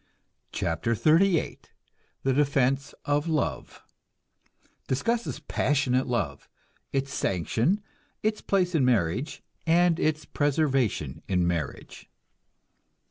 CHAPTER XXXVIII THE DEFENSE OF LOVE (Discusses passionate love, its sanction, its place in life, and its preservation in marriage.)